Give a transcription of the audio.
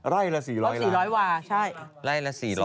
ไร่ละ๔๐๐ล้านราก็๔๐๐วาเช่น